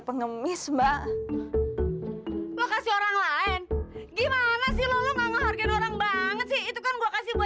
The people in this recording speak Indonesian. pengemis mbak lu kasih orang lain gimana sih lu ga ngehargain orang banget sih itu kan gua kasih